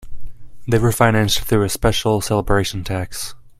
They were financed through a special celebration tax.